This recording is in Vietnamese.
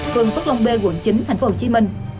phường phất long b quận chín tp hcm